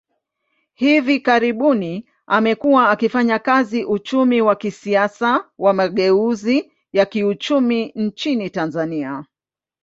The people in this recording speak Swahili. Hivi karibuni, amekuwa akifanya kazi uchumi wa kisiasa wa mageuzi ya kiuchumi nchini Tanzania.